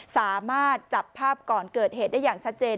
สามารถจับภาพก่อนเกิดเหตุได้อย่างชัดเจน